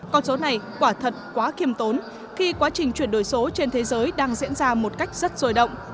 con số này quả thật quá kiêm tốn khi quá trình chuyển đổi số trên thế giới đang diễn ra một cách rất rôi động